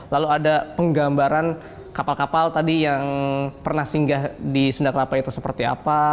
lalu ada penggambaran kapal kapal tadi yang pernah singgah di sunda kelapa itu seperti apa